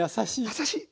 優しい。